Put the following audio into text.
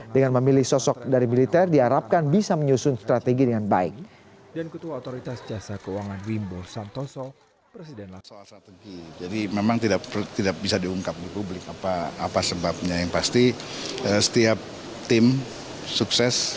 dengan memilih sosok dari militer diharapkan bisa menyusun strategi dengan baik wimbo santoso